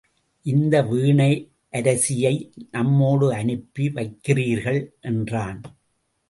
இந்த வீணையரசியை நம்மோடு அனுப்பி வைக்கிறார்கள் எனறான்.